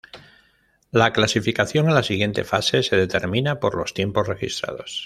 La clasificación a la siguiente fase se determina por los tiempos registrados.